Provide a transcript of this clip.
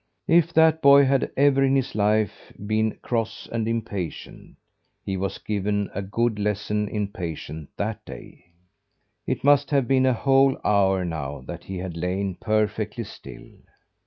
If that boy had ever in his life been cross and impatient, he was given a good lesson in patience that day. It must have been a whole hour now that he had lain perfectly still.